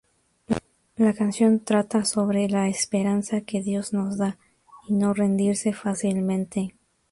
La canción trata sobre la esperanza que Dios nos da y no rendirse fácilmente.